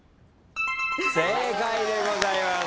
正解でございます。